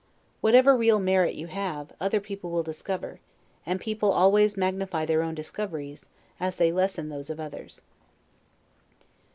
Whatever real merit you have, other people will discover, and people always magnify their own discoveries, as they lessen those of others.